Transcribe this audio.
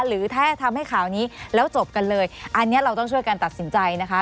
หรือถ้าทำให้ข่าวนี้แล้วจบกันเลยอันนี้เราต้องช่วยกันตัดสินใจนะคะ